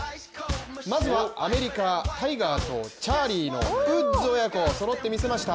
まずはアメリカ、タイガーとチャーリーのウッズ親子、そろって見せました。